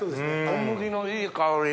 小麦のいい香り。